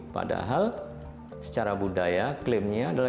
padahal secara budaya klaimnya